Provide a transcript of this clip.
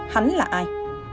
hắn là ai